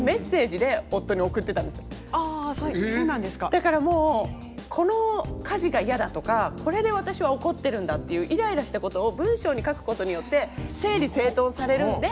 だからもうこの家事が嫌だとかこれで私は怒ってるんだっていうイライラしたことを文章に書くことによって整理整頓されるんで。